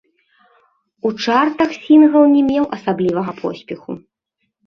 У чартах сінгл не меў асаблівага поспеху.